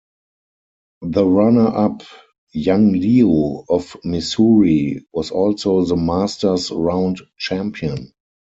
The runner-up, Yang Liu of Missouri, was also the Masters Round champion.